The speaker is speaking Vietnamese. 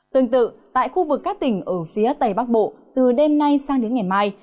tương tự tại khu vực các tỉnh ở phía tây bắc bộ từ đêm nay sang đến ngày mai